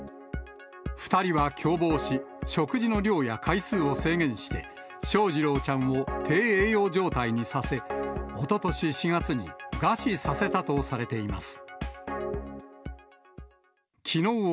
２人は共謀し、食事の量や回数を制限して、翔士郎ちゃんを低栄養状態にさせ、おととし４月に餓死させたとされています。